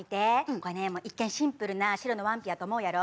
これね一見シンプルな白のワンピやと思うやろ？